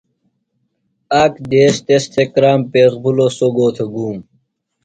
آک دیس تس تھےۡ کرام پیخ بِھلو سوۡ گو تھےۡ گُوم۔